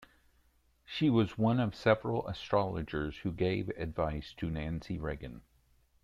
She was one of several astrologers who gave advice to Nancy Reagan.